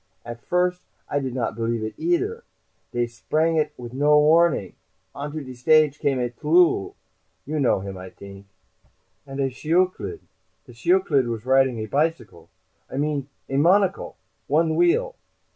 At first, I did not believe it either. "Dey sprang it with no warning. Onto de stage came a tllooll (you know him, I t'ink), and a shiyooch'iid. The shiyooch'iid was riding a bicycle I mean a monocle. One wheel.